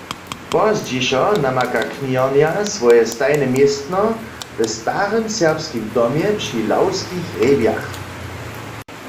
Pozdźišo namaka kniharnja swoje stajne městno w starym Serbskim domje při Lawskich hrjebjach.